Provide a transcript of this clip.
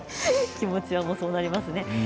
気持ちはそうなりますよね。